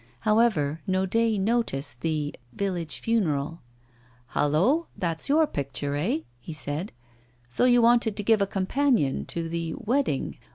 However, Naudet noticed the 'Village Funeral.' 'Hullo! that's your picture, eh?' he said. 'So you wanted to give a companion to the "Wedding"?